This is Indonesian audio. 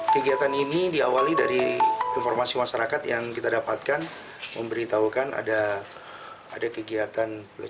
kegiatan ini diawali dari informasi masyarakat yang kita dapatkan memberitahukan ada kegiatan